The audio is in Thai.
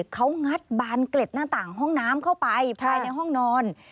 เขางัดบานเกล็ดหน้าต่างห้องน้ำเข้าไปภายในห้องนอน